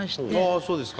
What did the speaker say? あそうですか。